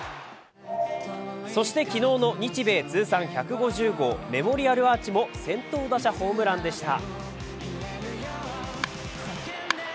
そして、昨日の日米通算１５０号メモリアルアーチも先頭打者ホームランでした。